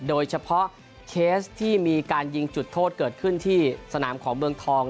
โดยเฉพาะเคสที่มีการยิงจุดโทษเกิดขึ้นที่สนามของเมืองทอง